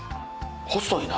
細いな！